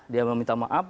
dia meminta maaf